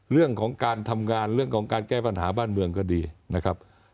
เรื่องของการทำงานเรื่องของการแก้ปัญหาบ้านเมืองก็ดีนะครับ